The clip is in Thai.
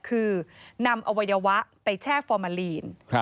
คือนำอวัยวะไปแช่ฟอร์มาลีน